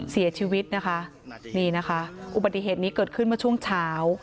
เสียชีวิตนะคะนี่นะคะอุบัติเหตุนี้เกิดขึ้นเมื่อช่วงเช้า